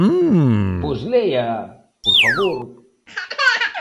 Pois léaa, por favor.